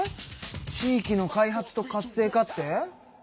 地域の開発と活性化って？